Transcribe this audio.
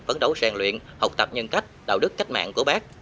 phấn đấu rèn luyện học tập nhân cách đạo đức cách mạng của bác